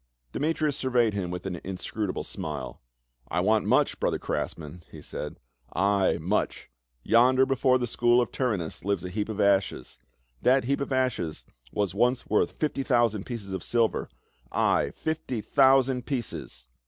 Demetrius surveyed him with an inscrutable smile, " I want much, brother craftsmen," he said. —" Ay, much. Yonder before the school of Tyrannus lies a heap of ashes ; that heap of ashes was once worth fifty thousand pieces of silver — ay, fifty thousand pieces